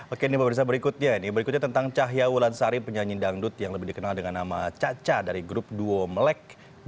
oke ini berikutnya berikutnya tentang cahya wulansari penyanyi dangdut yang lebih dikenal dengan nama caca dari grup dua molek